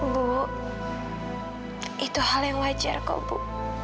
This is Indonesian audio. bu itu hal yang wajar kok bu